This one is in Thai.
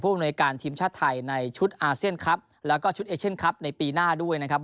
อำนวยการทีมชาติไทยในชุดอาเซียนครับแล้วก็ชุดเอเชียนคลับในปีหน้าด้วยนะครับ